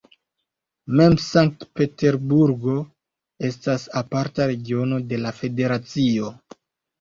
Mem Sankt-Peterburgo estas aparta regiono de la federacio.